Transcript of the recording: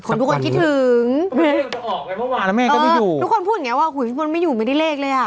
คนทุกคนคิดถึงทุกคนพูดอย่างเนี้ยว่าหูยพี่มนต์ไม่อยู่ไม่ได้เลขเลยอ่ะ